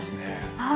はい。